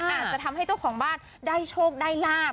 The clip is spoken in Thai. อาจจะทำให้เจ้าของบ้านได้โชคได้ลาบ